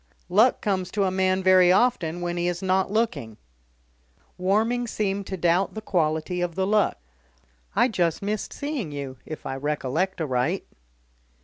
Luck comes to a man very often when he's not looking." Warming seemed to doubt the quality of the luck. "I just missed seeing you, if I recollect aright."